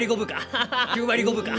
９割５分か？